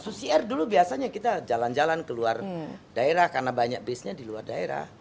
susi air dulu biasanya kita jalan jalan ke luar daerah karena banyak base nya di luar daerah